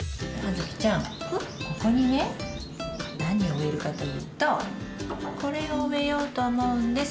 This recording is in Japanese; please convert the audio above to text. ここにね何を植えるかというとこれを植えようと思うんです。